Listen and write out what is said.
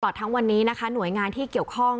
ทั้งวันนี้นะคะหน่วยงานที่เกี่ยวข้อง